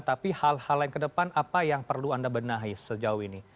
tapi hal hal lain ke depan apa yang perlu anda benahi sejauh ini